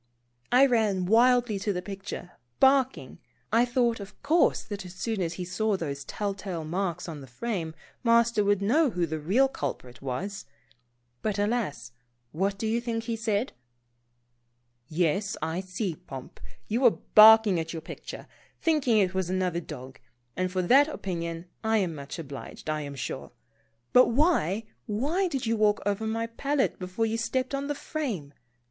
I ran wildly to the picture, barking. I thought, of course, that as soon as he saw those telltale marks on the frame. Master would know who the real culprit was. But alas, what do you think he said ? Yes, I see. Pomp, you were barking at your picture, thinking it was another dog, and for that opinion I am much obliged, I am sure. But why, why did you walk over my palette before you stepped on the frame?